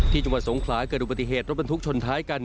จังหวัดสงขลาเกิดอุบัติเหตุรถบรรทุกชนท้ายกัน